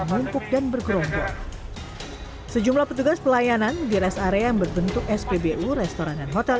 numpuk dan bergerombol sejumlah petugas pelayanan di rest area yang berbentuk spbu restoran dan hotel